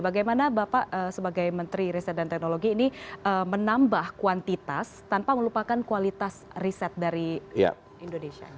bagaimana bapak sebagai menteri riset dan teknologi ini menambah kuantitas tanpa melupakan kualitas riset dari indonesia